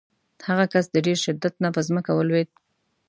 هغه کس د ډېر شدت نه په ځمکه ولویېد.